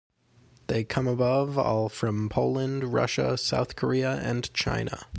They come above all from Poland, Russia, South Korea and China.